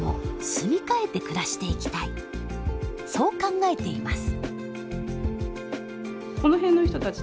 そう考えています。